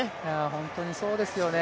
本当にそうですよね